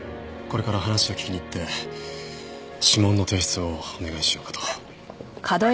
これから話を聞きに行って指紋の提出をお願いしようかと。